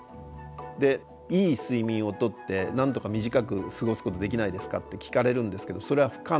でいい睡眠をとってなんとか短く過ごすことできないですかって聞かれるんですけどそれは不可能ですね。